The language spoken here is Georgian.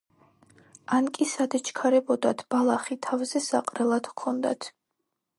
ან კი სად ეჩქარებოდათ, ბალახი თავზესაყრელად ჰქონდათ.